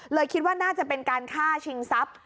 คิดว่าน่าจะเป็นการฆ่าชิงทรัพย์